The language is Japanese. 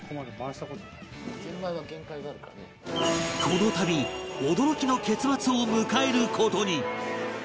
この旅驚きの結末を迎える事に！